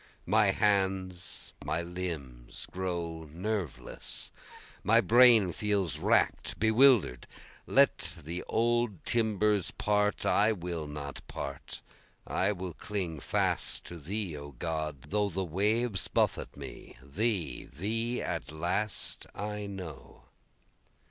My hands, my limbs grow nerveless, My brain feels rack'd, bewilder'd, Let the old timbers part, I will not part, I will cling fast to Thee, O God, though the waves buffet me, Thee, Thee at least I know.